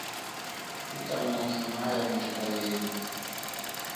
Ita muthu maya mujila yenyi.